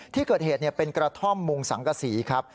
ที่เกิดเหตุเป็นกระท่อมมุงสังกษีครับ